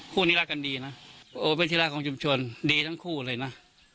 คู่นี้รักกันดีนะโอ้เป็นที่รักของชุมชนดีทั้งคู่เลยนะ